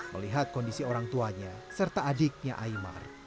melihat kondisi orang tuanya serta adiknya aymar